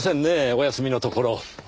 お休みのところ。